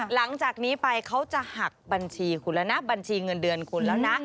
หลังจากนี้ไปเขาจะหักบัญชีคุณแล้วนะบัญชีเงินเดือนคุณแล้วนะ